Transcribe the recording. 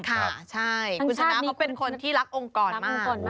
ค่ะใช่คุณชนะเขาเป็นคนที่รักองค์กรมาก